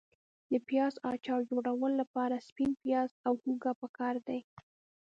د پیاز اچار جوړولو لپاره سپین پیاز او هوګه پکار دي.